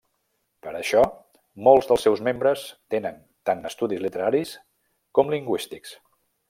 Per això, molts dels seus membres tenen tant estudis literaris com lingüístics.